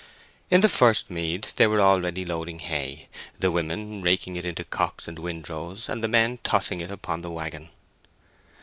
In the first mead they were already loading hay, the women raking it into cocks and windrows, and the men tossing it upon the waggon.